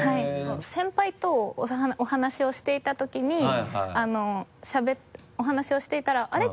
先輩とお話をしていた時にお話をしていたら「あれ？